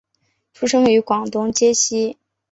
出生于广东揭西。